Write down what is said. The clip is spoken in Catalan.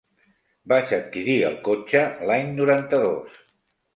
Vaig adquirir el cotxe l'any noranta-dos.